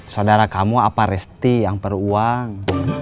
saudara kamu apa resti yang peruang